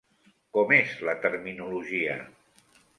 Com és la terminologia?